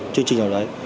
chương trình nào đấy